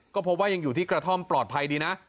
ก็พบว่ายังอยู่ที่กระท่อมปลอดภัยดีนะ